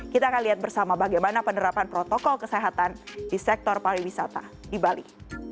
kita akan lihat bersama bagaimana penerapan protokol kesehatan di sektor pariwisata di bali